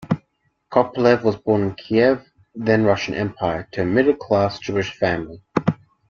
Kopelev was born in Kiev, then Russian Empire, to a middle-class Jewish family.